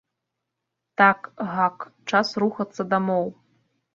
Так, гак, час рухацца дамоў!